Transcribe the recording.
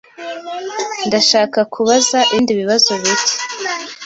Ndashaka kubaza ibindi bibazo bike.